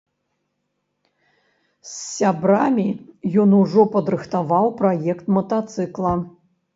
З сябрамі ён ужо падрыхтаваў праект матацыкла.